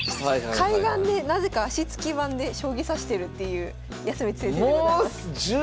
海岸でなぜか脚付き盤で将棋指してるっていう康光先生でございます。